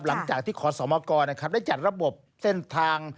หลังจากที่ขอสมกรได้จัดระบบเส้นทาง